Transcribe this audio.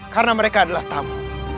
karena mereka adalah tamu